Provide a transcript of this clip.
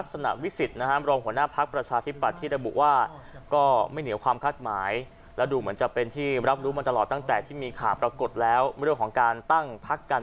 ส่วนตัวไม่ทราบว่าท่านจะคิดและตัดสินอย่างไร